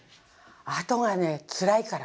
あとがねつらいから。